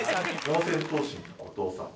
四千頭身の後藤さん。